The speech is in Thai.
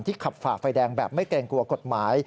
ขับฝ่าไฟแดงแบบไม่เกรงกลัวกฎหมาย